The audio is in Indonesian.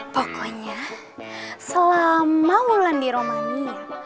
pokoknya selama bulan di romania